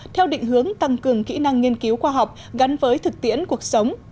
theo định hướng tăng cường kỹ năng nghiên cứu khoa học gắn với thực tiễn cuộc sống